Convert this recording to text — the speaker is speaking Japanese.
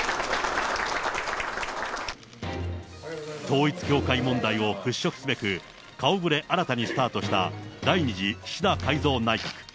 統一教会問題を払拭すべく、顔ぶれ新たにスタートした第２次岸田改造内閣。